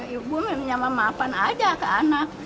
ibu memang memaafkan saja ke anak